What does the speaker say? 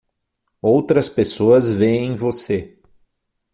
Outras pessoas veem você